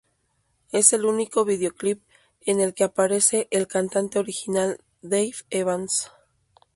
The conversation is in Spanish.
Es el único videoclip en que aparece el cantante original Dave Evans.